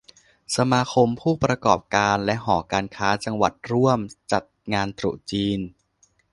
สมาคมผู้ประกอบการและหอการค้าจังหวัดร่วมจัดงานตรุษจีน